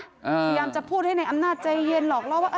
พยายามจะพูดให้ในอำนาจใจเย็นหลอกล่อว่า